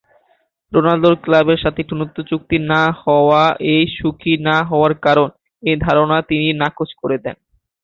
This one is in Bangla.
রোনালদোর ক্লাবের সাথে একটি উন্নত চুক্তি না হওয়া এই সুখী না হওয়ার কারণ, এই ধারণা তিনি নাকচ করে দেন।